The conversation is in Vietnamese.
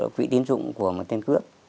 quỹ tiến dụng của một tên cướp